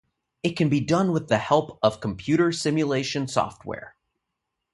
It can be done with the help of computer simulation software.